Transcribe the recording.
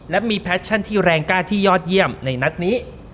และมีแพชชั่นที่แรงกล้าที่ยอดเยี่ยมในนัดนี้